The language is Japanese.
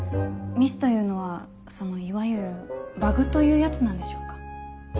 ミスというのはいわゆるバグというやつなんでしょうか？